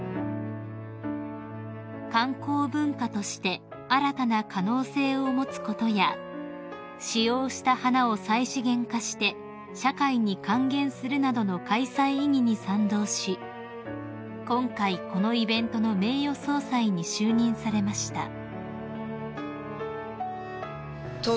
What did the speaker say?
［観光文化として新たな可能性を持つことや使用した花を再資源化して社会に還元するなどの開催意義に賛同し今回このイベントの名誉総裁に就任されました］